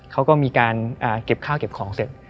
เขาก็มีการเก็บข้าวเก็บของเสร็จ